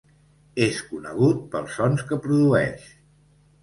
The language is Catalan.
És conegut pels sons que produeix.